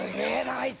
あいつ。